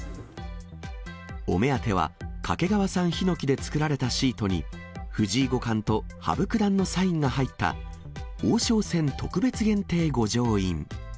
お目当ては、掛川産ヒノキで作られたシートに、藤井五冠と羽生九段のサインが入った、王将戦特別限定御城印。